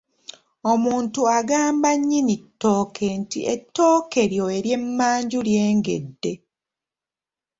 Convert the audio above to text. Omuntu agamba nnyinni ttooke nti ettooke lyo ery'emmanju lyengedde.